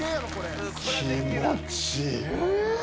気持ちいい！